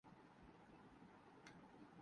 مگر ان جوانوں کی شہادت کو کسی نے یاد نہیں کیا